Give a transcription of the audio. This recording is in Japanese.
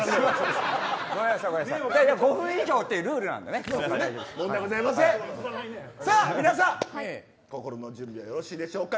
５分以上という皆さん、心の準備はよろしいでしょうか。